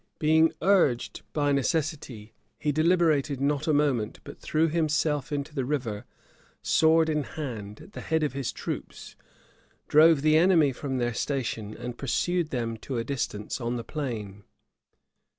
Being urged by necessity, he deliberated not a moment; but threw himself into the river, sword in hand, at the head of his troops; drove the enemy from their station; and pursued them to a distance on the plain.